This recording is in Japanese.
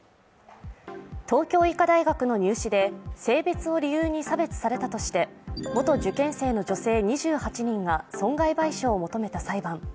東京医科大学の入試で性別を理由に差別されたとして元受験生の女性２８人が損害賠償を求めた裁判。